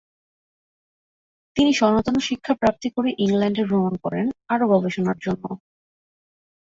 তিনি সনাতন শিক্ষা প্রাপ্তি করে ইংল্যান্ডে ভ্রমণ করেন আরো গবেষণার জন্য।